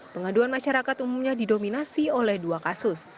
pengaduan masyarakat umumnya didominasi oleh dua kasus